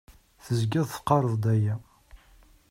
Teẓgiḍ teqqareḍ-d aya.